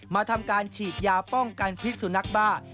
มาทำการฉีดยาป้องกันพิษสุนัขบ้า